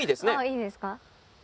いいですか？